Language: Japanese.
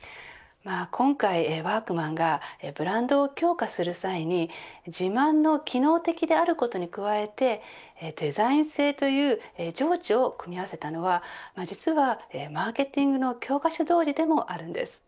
今回、ワークマンがブランドを強化する際に自慢の機能的であることに加えてデザイン性という情緒を組み合わせたのは実は、マーケティングの教科書どおりでもあるんです。